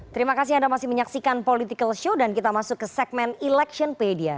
terima kasih anda masih menyaksikan political show dan kita masuk ke segmen electionpedia